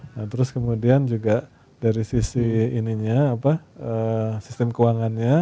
nah terus kemudian juga dari sisi ininya sistem keuangannya